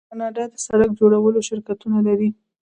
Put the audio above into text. کاناډا د سړک جوړولو شرکتونه لري.